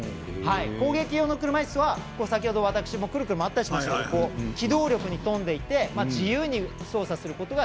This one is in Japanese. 攻撃用の車いすは、先ほど私もくるくる回ったりしましたが機動力に富んでいて自由に操作することができる。